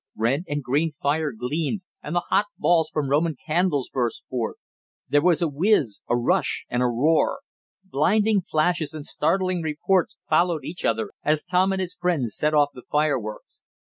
Red and green fire gleamed, and the hot balls from Roman candles burst forth. There was a whizz, a rush and a roar. Blinding flashes and startling reports followed each other as Tom and his friends set off the fireworks.